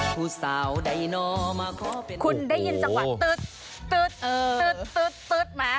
คุณได้ยินสักหวัดตื๊ดมา